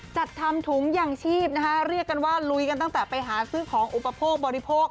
จัดทำถุงอย่างชีพนะคะเรียกกันว่าลุยกันตั้งแต่ไปหาซื้อของอุปโภคบริโภค